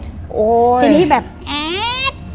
ทีนี้แบบแอด